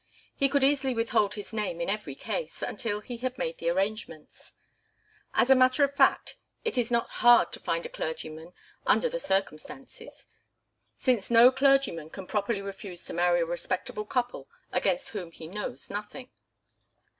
He could easily withhold his name in every case, until he had made the arrangements. As a matter of fact, it is not hard to find a clergyman under the circumstances, since no clergyman can properly refuse to marry a respectable couple against whom he knows nothing.